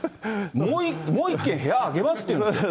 もう１軒部屋あげますって言うんですよ。